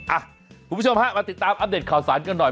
คุณผู้ชมฮะมาติดตามอัปเดตข่าวสารกันหน่อย